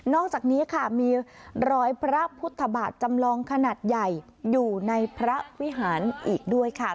อกจากนี้ค่ะมีรอยพระพุทธบาทจำลองขนาดใหญ่อยู่ในพระวิหารอีกด้วยค่ะ